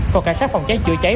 còn cả sát phòng cháy chữa cháy